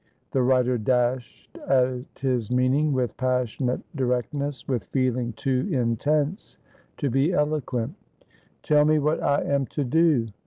The writer dashed at his meaning with passionate directness, with feeling too intense to be eloquent. ' Tell me what I am to do.